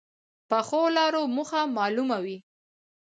پخو لارو موخه معلومه وي